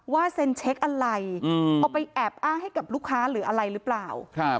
เซ็นเช็คอะไรเอาไปแอบอ้างให้กับลูกค้าหรืออะไรหรือเปล่า